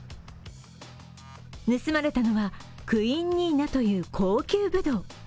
盗まれたのは、クイーンニーナという高級ブドウ。